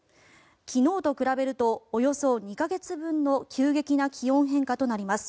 昨日と比べるとおよそ２か月分の急激な気温変化となります。